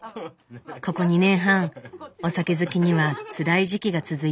ここ２年半お酒好きにはつらい時期が続いているそう。